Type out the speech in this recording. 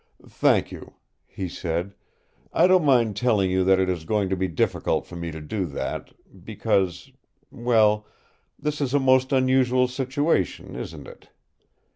"Thank you," he said. "I don't mind telling you it is going to be difficult for me to do that because well, this is a most unusual situation, isn't it?